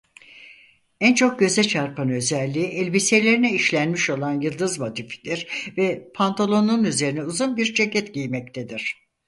En çok göze çarpan özelliği elbiselerine işlenmiş olan "Yıldız motifi"dir ve pantolonun üzerine uzun bir ceket giymektedir.